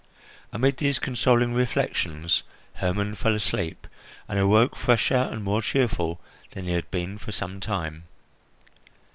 Amid these consoling reflections, Hermon fell asleep, and awoke fresher and more cheerful than he had been for some time.